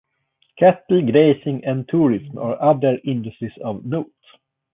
Cattle grazing and tourism are other industries of note.